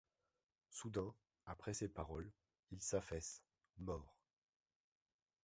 Soudain, après ces paroles, il s'affaisse, mort.